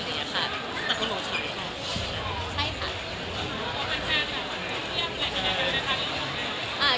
ตะโคโนชัย